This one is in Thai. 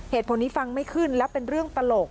เหตุผลนี้ฟังไม่ขึ้นและเป็นเรื่องตลก